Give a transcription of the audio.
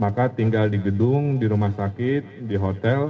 maka tinggal di gedung di rumah sakit di hotel